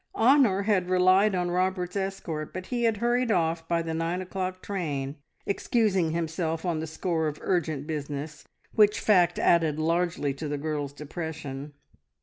Honor had relied on Robert's escort, but he had hurried off by the nine o'clock train, excusing himself on the score of urgent business, which fact added largely to the girl's depression.